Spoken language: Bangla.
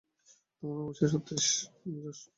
তোমার বোন অবশ্য সত্যিই জোশ।